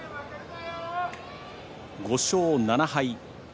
５勝７敗。